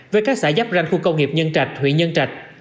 với các xã giáp ranh khu công nghiệp nhân trạch huyện nhân trạch